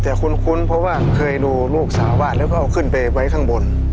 แต่คุ้นเพราะว่าเคยดูลูกสาววาดแล้วก็เอาขึ้นไปไว้ข้างบน